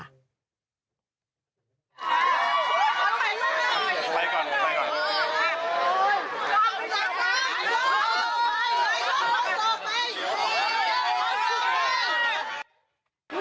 ไปก่อน